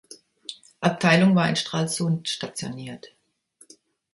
Abteilung war in Stralsund stationiert.